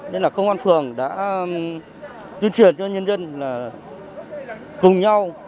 nên là công an phường đã tuyên truyền cho nhân dân là cùng nhau